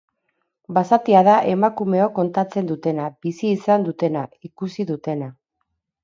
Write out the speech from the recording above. Basatia da emakumeok kontatzen dutena, bizi izan dutena, ikusi dutena.